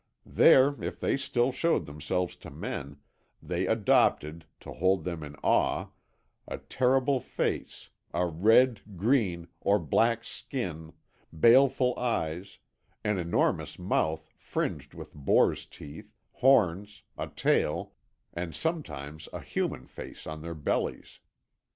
There, if they still showed themselves to men, they adopted, to hold them in awe, a terrible face, a red, green, or black skin, baleful eyes, an enormous mouth fringed with boars' teeth, horns, a tail, and sometimes a human face on their bellies.